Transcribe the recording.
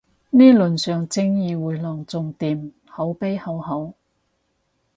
呢輪上正義迴廊仲掂，口碑好好